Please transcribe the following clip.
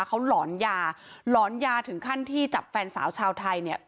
เขาหลอนยาหลอนยาถึงขั้นที่จับแฟนสาวชาวไทยเนี่ย